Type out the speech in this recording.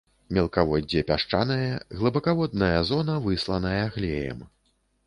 Мелкаводдзе пясчанае, глыбакаводная зона высланая глеем.